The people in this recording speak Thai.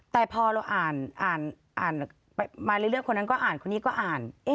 แต่พอเราอ่านมาเรื่อยคนนั้นก็อ่านคนนี้ก็อ่าน